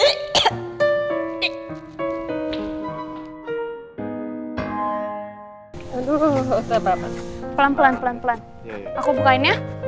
pelan pelan pelan pelan aku bukain ya